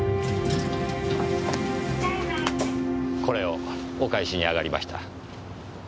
これをお返しにあがりました。